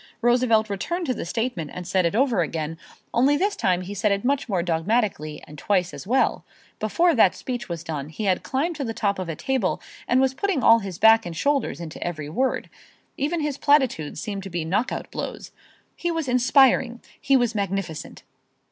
Roosevelt returned to the statement and said it over again, only this time he said it much more dogmatically and twice as well. Before that speech was done he had climbed to the top of a table and was putting all his back and shoulders into every word. Even his platitudes seemed to be knockout blows. He was inspiring. He was magnificent.